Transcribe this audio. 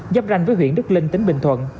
giáp ranh với huyện đức linh tỉnh bình thuận